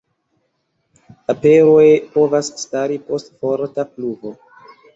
Aperoj povas stari post forta pluvo.